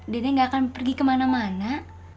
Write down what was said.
nenek gak akan pergi kemana mana